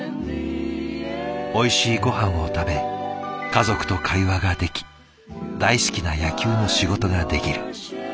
「おいしいごはんを食べ家族と会話ができ大好きな野球の仕事ができる。